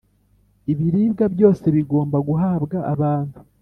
Ibiribwa byose bigomba guhabwa abantu